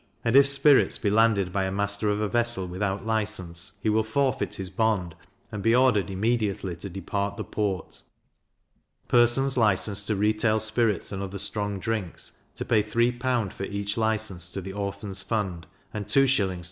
And if spirits be landed by a master of a vessel without license, he will forfeit his bond, and be ordered immediately to depart the port. Persons licensed to retail spirits and other strong drinks, to pay 3L. for each license to the Orphans' fund, and 2s.